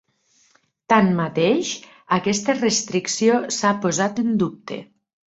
Tanmateix, aquesta restricció s'ha posat en dubte.